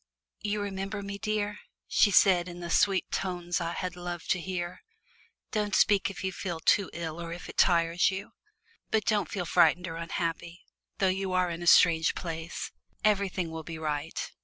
"You remember me, dear?" she said, in the sweet tones I had loved to hear. "Don't speak if you feel too ill or if it tires you. But don't feel frightened or unhappy, though you are in a strange place everything will be right."